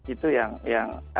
itu yang yang